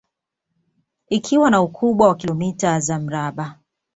Ikiwa na ukubwa wa kilomita za mraba